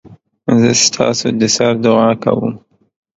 زه ستاسودسر دعاکوم